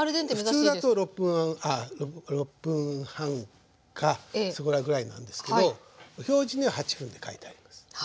これは普通だと６分半かそこらぐらいなんですけど表示には８分って書いてあります。